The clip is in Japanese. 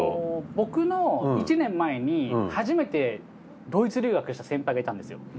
僕の１年前に初めてドイツ留学した先輩がいたんですよ。